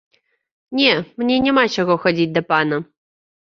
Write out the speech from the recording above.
Не, мне няма чаго хадзіць да пана.